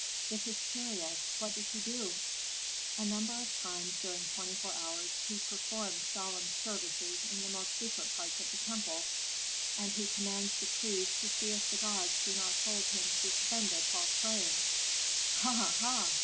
"This is curious. What does he do?" "A number of times during twenty four hours he performs solemn services in the most secret parts of the temple, and he commands the priests to see if the gods do not hold him suspended while praying." "Ha! ha!"